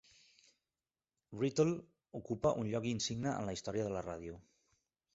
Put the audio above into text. Writtle ocupa un lloc insigne a la història de la ràdio.